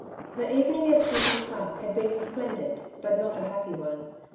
The evening at Clinton Park had been a splendid, but not a happy one.